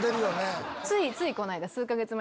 ついこの間数か月前。